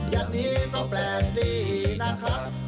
อย่างนี้ก็แปลกดีนะครับ